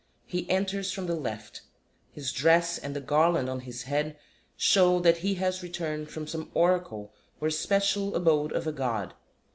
_He enters from the left; his dress and the garland on his head show that he has returned from some oracle or special abode of a God.